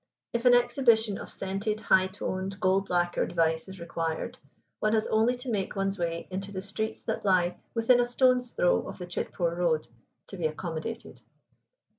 If an exhibition of scented, high toned, gold lacquered vice is required, one has only to make one's way into the streets that lie within a stone's throw of the Chitpore Road to be accommodated.